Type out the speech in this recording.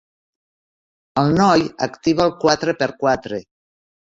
El noi activa el quatre per quatre.